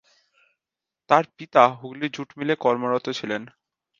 তার পিতা হুগলী জুট মিলে কর্মরত ছিলেন।